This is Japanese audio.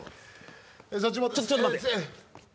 ちょっと待て。